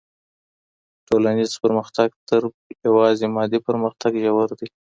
ټولنیز پرمختګ تر یوازې مادي پرمختګ ژور دی.